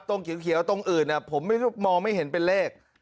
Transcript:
เขียวตรงอื่นผมมองไม่เห็นเป็นเลข